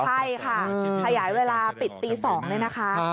ใช่ค่ะขยายเวลาปิดตี๒เลยนะคะ